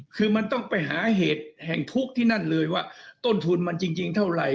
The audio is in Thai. คือมันต้องไปหาเหตุแห่งทุกข์ที่นั่นเลยว่าต้นทุนมันจริงเท่าไหร่